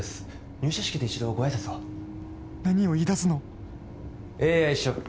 入社式で一度ご挨拶を何を言いだすのＡＩショップ